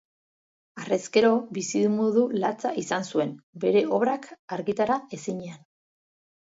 Harrezkero, bizimodu latza izan zuen, bere obrak argitara ezinean.